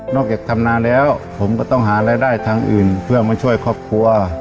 จากทำนาแล้วผมก็ต้องหารายได้ทางอื่นเพื่อมาช่วยครอบครัว